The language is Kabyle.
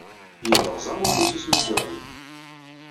Yelleɣẓam ufus-is mi yeɣli.